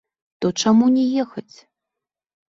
То чаму не ехаць?!